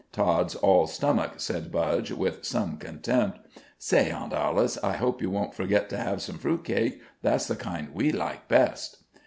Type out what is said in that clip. "Tod's all stomach," said Budge, with some contempt. "Say, Aunt Alice, I hope you won't forget to have some fruit cake. That's the kind we like best."